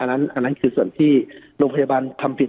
อันนั้นคือส่วนที่โรงพยาบาลทำผิด